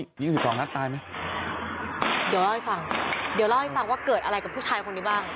เดี๋ยวเล่าให้ฟังว่าเกิดอะไรกับผู้ชายคนนี้บ้าง